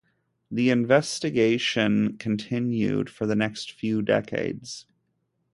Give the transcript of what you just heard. This investigation continued for the next few decades.